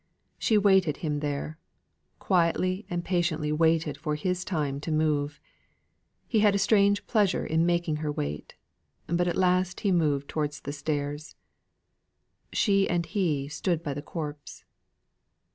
She waited him there; quietly and patiently waited for his time to move. He had a strange pleasure in making her wait; but at last he moved towards the stairs. She and he stood by the corpse.